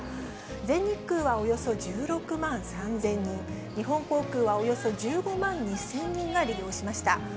全日空はおよそ１６万３０００人、日本航空はおよそ１５万２０００人が利用しました。